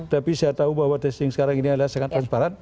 tapi saya tahu bahwa testing sekarang ini adalah sangat transparan